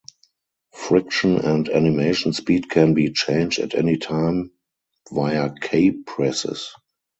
Friction and animation speed can be changed at any time via key presses.